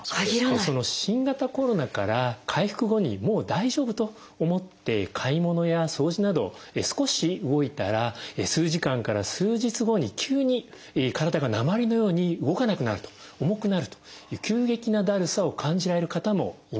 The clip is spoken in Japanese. その新型コロナから回復後にもう大丈夫と思って買い物や掃除など少し動いたら数時間から数日後に急に体が鉛のように動かなくなると重くなるという急激なだるさを感じられる方もいます。